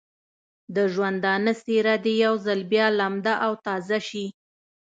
د ژوندانه څېره دې یو ځل بیا لمده او تازه شي.